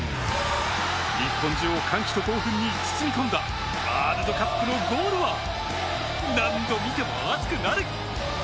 日本中を歓喜と興奮に包み込んだワールドカップのゴールは何度見ても熱くなる。